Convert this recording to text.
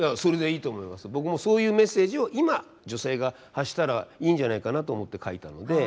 僕もそういうメッセージを今女性が発したらいいんじゃないかなと思って書いたので。